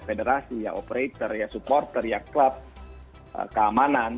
federasi ya operator ya supporter ya klub keamanan